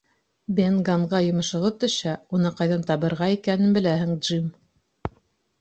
— Бен Ганнға йомошоғоҙ төшһә, уны ҡайҙан табырға икәнен беләһең, Джим.